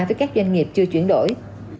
với các doanh nghiệp chưa chuyển đổi